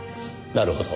なるほど。